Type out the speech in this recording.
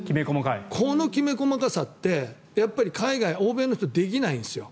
このきめ細かさって、海外欧米の人できないんですよ。